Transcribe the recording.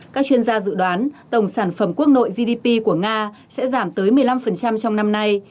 các chuyên gia dự đoán tổng sản phẩm quốc nội gdp của nga sẽ giảm tới một mươi năm trong năm nay